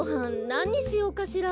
なににしようかしら。